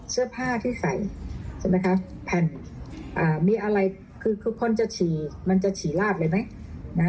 เสื้อผ้าที่ใส่ใช่ไหมคะแผ่นมีอะไรคือคนจะฉี่มันจะฉี่ลาดเลยไหม